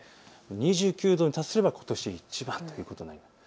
２９度に達すればことしいちばんということになります。